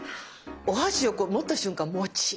お箸を持った瞬間もちっ！